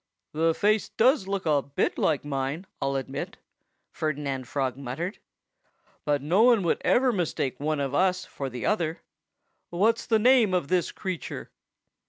"The face does look a bit like mine, I'll admit," Ferdinand Frog muttered. "But no one could ever mistake one of us for the other. ... What's the name of this creature?"